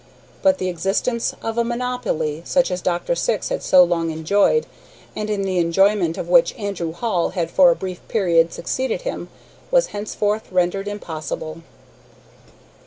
But the existence of a monopoly, such as Dr. Syx had so long enjoyed, and in the enjoyment of which Andrew Hall had for a brief period succeeded him, was henceforth rendered impossible.